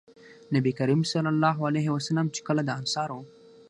نبي کريم صلی الله عليه وسلم چې کله د انصارو